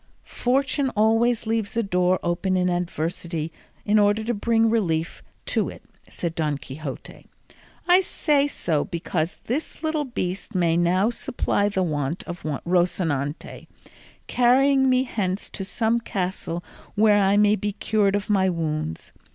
"Fortune always leaves a door open in adversity in order to bring relief to it," said Don Quixote; "I say so because this little beast may now supply the want of Rocinante, carrying me hence to some castle where I may be cured of my wounds.